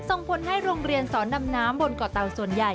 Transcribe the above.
ส่งผลให้โรงเรียนสอนดำน้ำบนเกาะเตาส่วนใหญ่